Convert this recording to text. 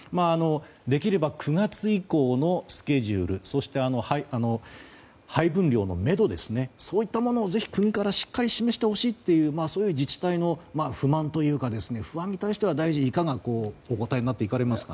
できれば、９月以降のスケジュールそして配分量のめどそういったものを、ぜひ国からしっかり示してほしいという自治体の不満に対しては大臣、いかがお答えになっていきますか。